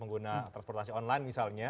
pengguna transportasi online misalnya